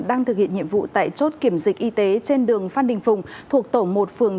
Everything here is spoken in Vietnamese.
đang thực hiện nhiệm vụ tại chốt kiểm dịch y tế trên đường phan đình phùng thuộc tổ một phường